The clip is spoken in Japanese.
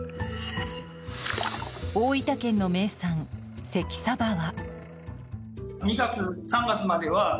大分県の名産、関サバは。